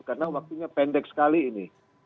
karena waktunya pendek sekali ini